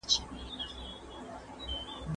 زه مېوې وچولي دي،